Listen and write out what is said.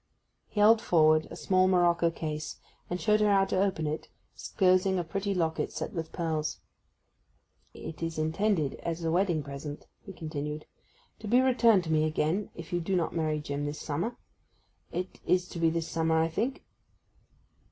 He held forward a small morocco case, and showed her how to open it, disclosing a pretty locket, set with pearls. 'It is intended as a wedding present,' he continued. 'To be returned to me again if you do not marry Jim this summer—it is to be this summer, I think?